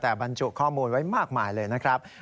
แต่บรรจุข้อมูลไว้มากมายเลยนะครับ